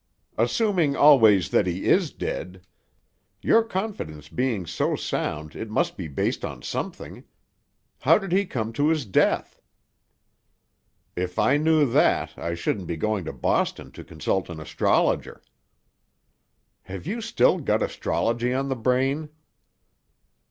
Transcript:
"Assuming always that he is dead. Your confidence being so sound, it must be based on something. How did he come to his death?" "If I knew that, I shouldn't be going to Boston to consult an astrologer." "Have you still got astrology on the brain?"